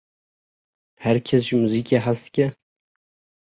Her kes ji muzîkê hez dike?